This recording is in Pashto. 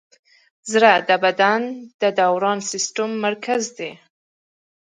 زړه د بدن د دوران سیسټم مرکز دی.